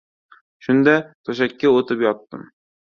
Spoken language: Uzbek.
Shunda, to‘shakka o‘tib yotdim.